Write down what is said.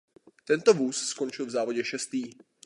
Tento vůz skončil v závodě šestý.